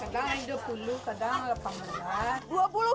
kadang dua puluh kadang delapan belas